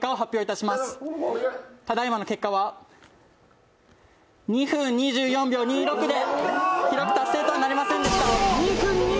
ただいまの結果は２分２４秒２６で記録達成とはなりませんでした。